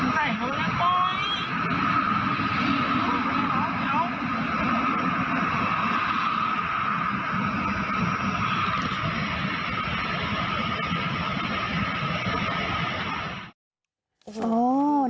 ใส่หัวแล้วปล่อย